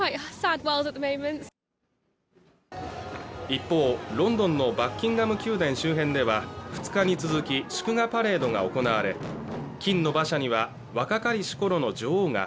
一方ロンドンのバッキンガム宮殿周辺では２日に続き祝賀パレードが行われ金の馬車には若かりし頃の女王が